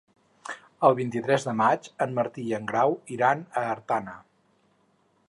El vint-i-tres de maig en Martí i en Grau iran a Artana.